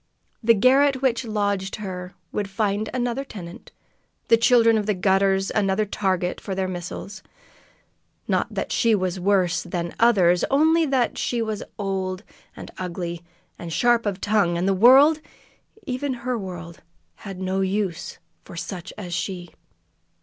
The garret which lodged her would find another tenant; the children of the gutters another target for their missiles. Not that she was worse than others only that she was old and ugly and sharp of tongue, and the world even her world has no use for such as she.